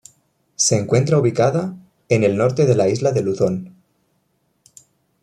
Se encuentra ubicada en el norte de la isla de Luzón.